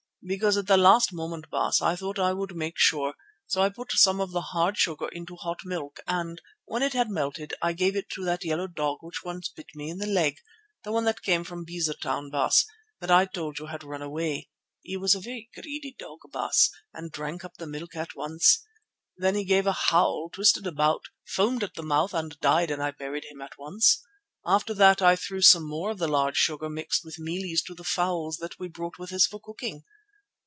"Because at the last moment, Baas, I thought I would make sure, so I put some of the hard sugar into hot milk and, when it had melted, I gave it to that yellow dog which once bit me in the leg, the one that came from Beza Town, Baas, that I told you had run away. He was a very greedy dog, Baas, and drank up the milk at once. Then he gave a howl, twisted about, foamed at the mouth and died and I buried him at once. After that I threw some more of the large sugar mixed with mealies to the fowls that we brought with us for cooking.